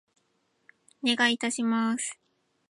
お願い致します。